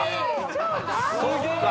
そう。